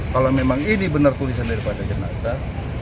kalau memang ini benar tulisan daripada jenazah